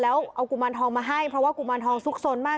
แล้วเอากุมารทองมาให้เพราะว่ากุมารทองซุกซนมาก